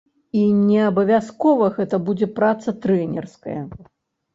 І неабавязкова гэта будзе праца трэнерская.